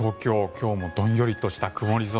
今日もどんよりとした曇り空。